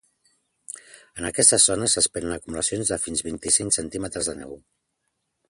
En aquestes zones s’esperen acumulacions de fins vint-i-cinc centímetres de neu.